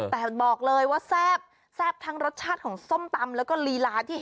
แต่บอกเลยว่าแซ่บแซ่บทั้งรสชาติของส้มตำแล้วก็ลีลาที่เห็น